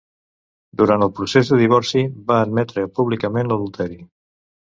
Durant el procés de divorci, va admetre públicament l'adulteri.